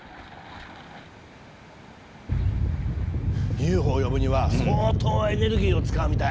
ＵＦＯを呼ぶには相当エネルギーを使うみたい。